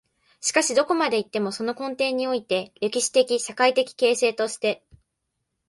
しかしどこまで行っても、その根底において、歴史的・社会的形成として、